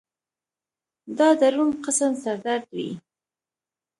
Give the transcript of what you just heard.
دا درون قسم سر درد وي